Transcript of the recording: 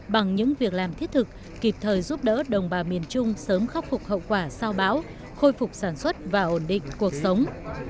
bằng những việc làm thiết thực kịp thời giúp đỡ đồng bào miền trung sớm khắc phục hậu quả sau bão khôi phục sản xuất và ổn định cuộc sống